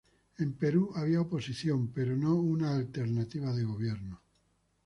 En Perú había oposición pero no una alternativa de gobierno.